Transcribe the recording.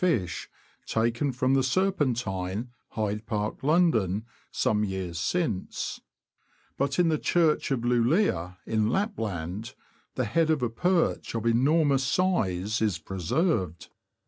fish, taken from the Serpentine, Hyde Park, London, some years since; but in the Church of Lulea, in Lapland, the head of a perch of enormous size is preserved.